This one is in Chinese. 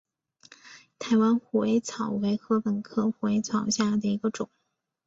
台湾虎尾草为禾本科虎尾草下的一个种。